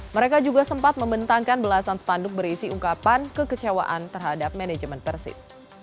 mereka juga sempat membentangkan belasan spanduk berisi ungkapan kekecewaan terhadap manajemen persib